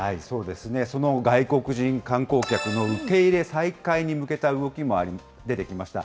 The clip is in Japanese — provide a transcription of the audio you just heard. その外国人観光客の受け入れ再開に向けた動きも出てきました。